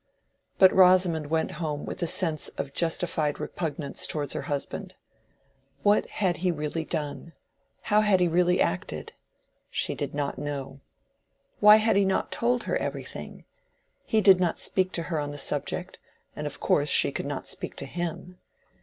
But Rosamond went home with a sense of justified repugnance towards her husband. What had he really done—how had he really acted? She did not know. Why had he not told her everything? He did not speak to her on the subject, and of course she could not speak to him.